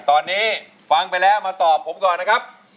ตอนนี้ฟังไปแล้วมาตอบผมก่อนนะครับ